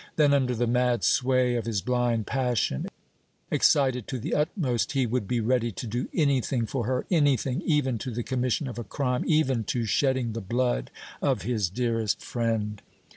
Then under the mad sway of his blind passion, excited to the utmost, he would be ready to do anything for her, anything, even to the commission of a crime, even to shedding the blood of his dearest friend!